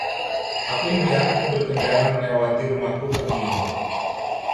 Aku melihatmu berkendara melewati rumahku pagi ini.